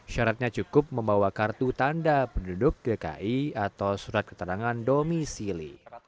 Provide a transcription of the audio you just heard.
syaratnya cukup membawa kartu tanda penduduk gki atau surat keterangan domisili